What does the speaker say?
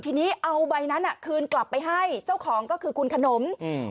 ทีนี้เอาใบนั้นอ่ะคืนกลับไปให้เจ้าของก็คือคุณขนมอืม